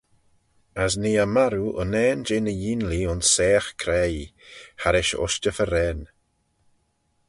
As nee eh marroo unnane jeh ny eeanlee ayns saagh craie, harrish ushtey-farrane.